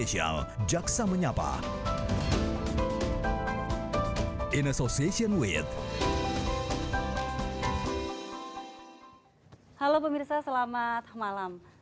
halo pemirsa selamat malam